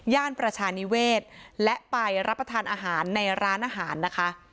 ประชานิเวศและไปรับประทานอาหารในร้านอาหารนะคะ